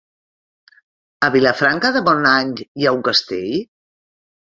A Vilafranca de Bonany hi ha un castell?